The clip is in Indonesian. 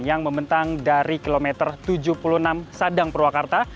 yang membentang dari kilometer tujuh puluh enam sadang purwakarta